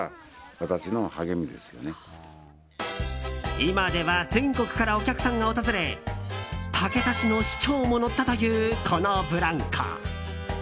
今では全国からお客さんが訪れ竹田市の市長も乗ったというこのブランコ。